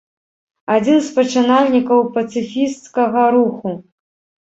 Адзін з пачынальнікаў пацыфісцкага руху.